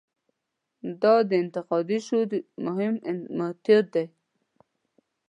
دا د انتقادي شعور مهم میتود هم دی.